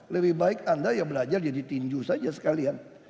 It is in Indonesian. lebih baik anda ya belajar jadi tinju saja sekalian